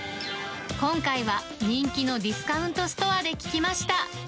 今回は、人気のディスカウントストアで聞きました。